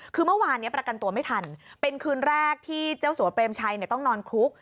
คือเมื่อวานนี้ประกันตัวไม่ทันเป็นคืนแรกที่เจ้าสัวเปรมชัยต้องนอนคุก